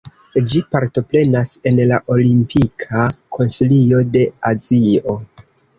Ĝi partoprenas en la Olimpika Konsilio de Azio.